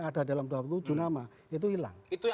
ada dalam dua puluh tujuh nama itu hilang